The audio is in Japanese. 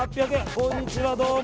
こんにちは、どうも。